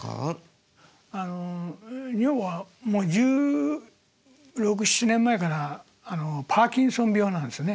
女房はもう１６１７年前からパーキンソン病なんですね。